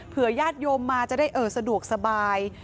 เผื่อยาติโยมมาจะได้สะดวกสบาย